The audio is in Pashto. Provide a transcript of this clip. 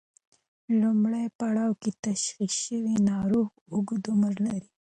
لومړی پړاو کې تشخیص شوی ناروغ اوږد عمر لري.